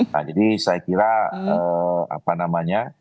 nah jadi saya kira apa namanya